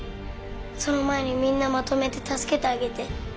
その前にみんなまとめて助けてあげて。